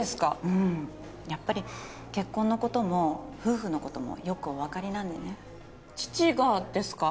うんやっぱり結婚のことも夫婦のこともよくお分かりなんでね父がですか？